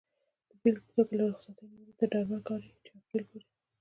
د بېلګې په توګه له رخصتیو نیولې تر ډاډمن کاري چاپېریال پورې.